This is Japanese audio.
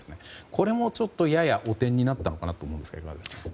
これも、やや汚点になったのかなと思ったんですがいかがですか。